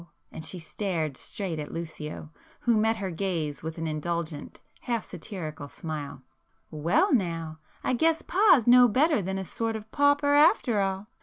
and she stared straight at Lucio, who met her gaze with an indulgent, half satirical smile—"Well now! I guess Pa's no better than a sort of pauper after all!